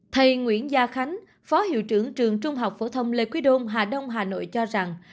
thầy nguyễn gia khánh phó hiệu trưởng trường trung học phổ thông lê quý đôn hà đông hà nội cho rằng